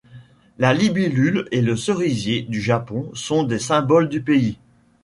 La libellule et le cerisier du Japon sont des symboles du pays.